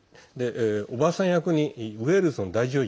おばあさん役にウェールズの大女優